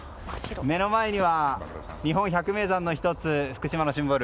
目の前には、日本百名山の１つ福島のシンボル